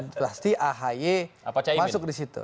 pasti ahy masuk di situ